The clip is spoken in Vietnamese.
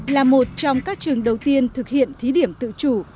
là một trong các trường đầu tiên thực hiện thí điểm tự chủ